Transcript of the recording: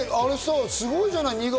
すごいじゃない！